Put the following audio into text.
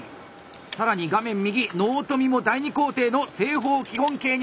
更に画面右納富も第２工程の正方基本形に入った！